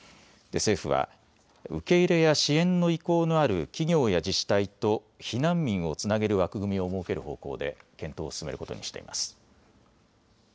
政府は、受け入れや支援の意向のある企業や自治体と避難民をつなげる枠組みを設ける方向で検討を進めることにしています。